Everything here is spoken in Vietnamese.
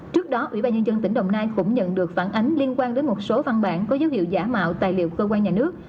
trước đó ủy ban nhân dân tỉnh đồng nai cũng nhận được phản ánh liên quan đến một số văn bản có dấu hiệu giả mạo tài liệu cơ quan nhà nước